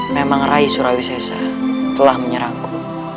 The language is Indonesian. memang rai surawisesa telah menyerangku